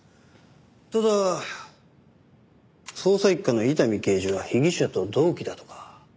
ただ捜査一課の伊丹刑事は被疑者と同期だとか。